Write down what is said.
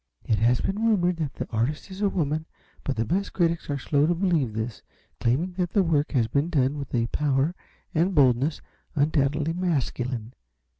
It has been rumored that the artist is a woman, but the best critics are slow to believe this, claiming that the work has been done with a power and boldness undoubtedly masculine.